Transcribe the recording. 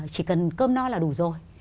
chỉ cần cơm no là đủ rồi